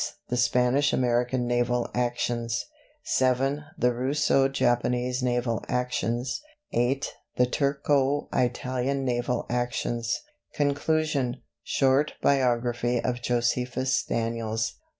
"The Spanish American Naval Actions." VII. "The Russo Japanese Naval Actions." VIII. "The Turko Italian Naval Actions." Conclusion. "Short Biography of Josephus Daniels."